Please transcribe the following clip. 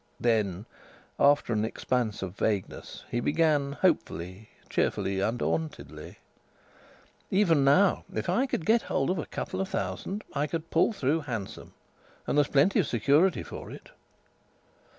Then, after an expanse of vagueness, he began hopefully, cheerfully, undauntedly: "Even now if I could get hold of a couple of thousand I could pull through handsome and there's plenty of security for it."